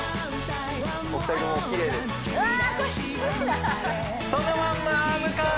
お二人ともきれいですうわ